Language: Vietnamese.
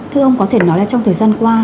thưa ông có thể nói là trong thời gian qua